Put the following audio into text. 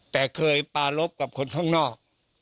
แต่เคยปารพกับคนข้างนอก